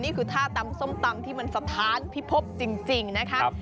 นี่คือท่าตำส้มตำที่มันสถานพิภพจริงนะครับ